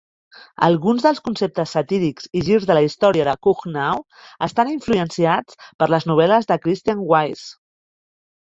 Alguns dels conceptes satírics i girs de la història de Kuhnau estan influenciats per les novel·les de Christian Weise.